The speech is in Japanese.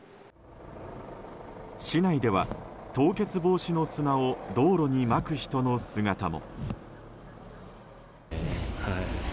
市内では、凍結防止の砂を道路にまく人の姿も。